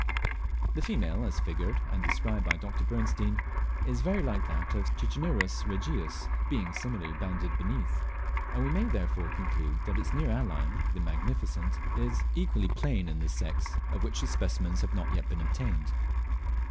The female, as figured and described by Dr. Bernstein, is very like that of Cicinnurus regius, being similarly banded beneath; and we may therefore conclude that its near ally, the "Magnificent," is at least equally plain in this sex, of which specimens have not yet been obtained.